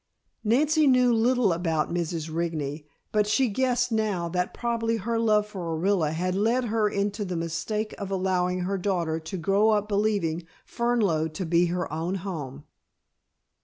Nancy knew little about Mrs. Rigney, but she guessed now that probably her love for Orilla had led her into the mistake of allowing her daughter to grow up believing Fernlode to be her own home.